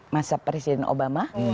masa presiden obama